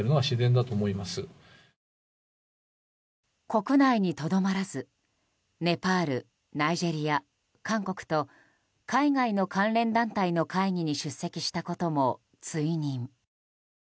国内にとどまらずネパール、ナイジェリア、韓国と海外の関連団体の会議に出席したことも追認。